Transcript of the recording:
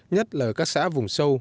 nhất là các xã vùng sâu